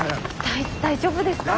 大丈夫ですか？